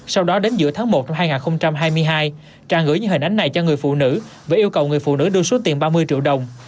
sau đó đến giữa tháng một năm hai nghìn hai mươi hai trang gửi những hình ảnh này cho người phụ nữ và yêu cầu người phụ nữ đưa số tiền ba mươi triệu đồng